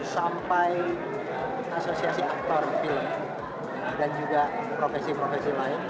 sampai asosiasi aktor film dan juga profesi profesi lain